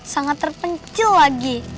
sangat terpencil lagi